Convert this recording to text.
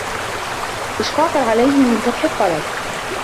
إشْفَاقًا عَلَيْهِمْ مِنْ كَدْحِ الطَّلَبِ